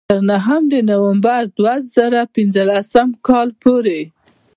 تر نهم د نومبر دوه زره پینځلس کال پورې.